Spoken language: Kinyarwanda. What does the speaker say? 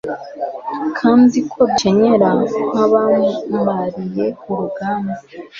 kandi ko dukenyera nkabamabariye urugambaa